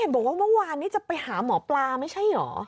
บอกว่าเมื่อวานนี้จะไปหาหมอปลาไม่ใช่เหรอ